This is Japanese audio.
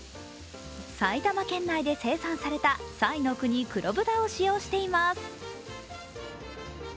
埼玉県内で生産された彩の国黒豚を使用しています。